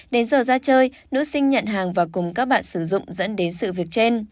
đến giờ ra chơi nữ sinh nhận hàng và cùng các bạn sử dụng dẫn đến sự việc trên